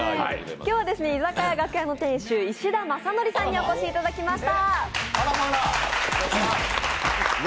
今日は居酒屋がくやの店主石田政徳さんにお越しいただきました。